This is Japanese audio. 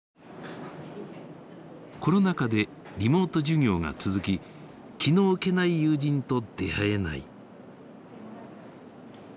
コロナ禍でリモート授業が続き気の置けない友人と出会えない。